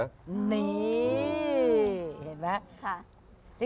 นี่เห็นไหม